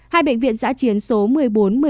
hai bệnh viện giã chiến số một mươi bốn một mươi